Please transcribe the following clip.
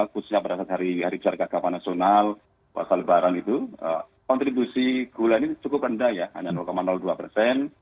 khususnya berdasarkan hari hari cerdas kapanasional wassalbaran itu kontribusi gula ini cukup rendah ya hanya dua persen